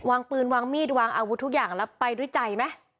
วางปืนวางมีดวางอาวุธทุกอย่างแล้วไปด้วยใจไหม